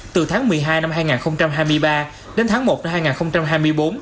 từ tháng một mươi hai năm hai nghìn hai mươi ba đến tháng một năm hai nghìn hai mươi bốn